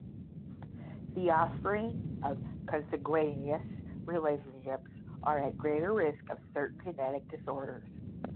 The offspring of consanguineous relationships are at greater risk of certain genetic disorders.